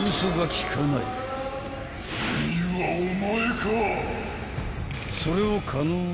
次はお前か！